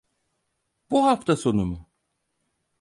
Bu hafta sonu mu?